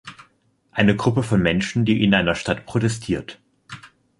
Eine Gruppe von Menschen, die in einer Stadt protestiert.